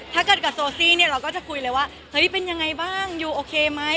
ถ้าเกิดกับโซซี่เนี่ยเราก็จะคุยเลยว่าเฮ้ยเป็นยังไงบ้างยูโอเคไหม